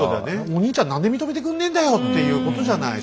お兄ちゃん何で認めてくんねえんだよっていうことじゃない？